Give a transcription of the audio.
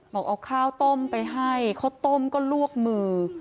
บอกเอาข้าวต้มไปให้ข้าวต้มก็ลวกมือ